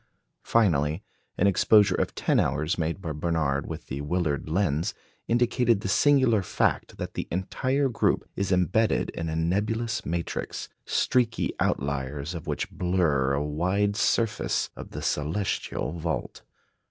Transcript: Finally, an exposure of ten hours made by Barnard with the Willard lens indicated the singular fact that the entire group is embedded in a nebulous matrix, streaky outliers of which blur a wide surface of the celestial vault.